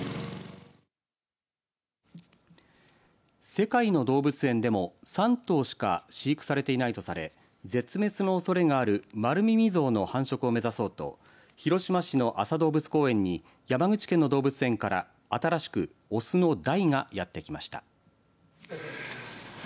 世界の動物園でも３頭しか飼育されていないとされ絶滅のおそれがあるマルミミゾウの繁殖を目指そうと広島市の安佐動物公園に山口県の動物園から新しくオスのダイがやってきました。